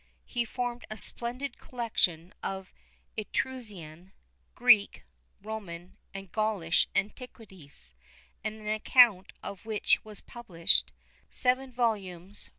He formed a splendid collection of Etruscan, Greek, Roman, and Gaulish antiquities, an account of which was published (seven vols.